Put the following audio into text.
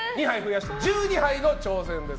１２牌の挑戦です。